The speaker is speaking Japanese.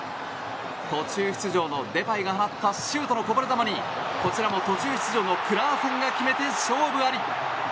途中出場のデパイが放ったシュートのこぼれ球にこちらも途中出場のクラーセンが決めて勝負あり。